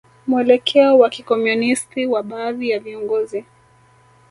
Mwelekeo wa kikomunisti wa baadhi ya viongozi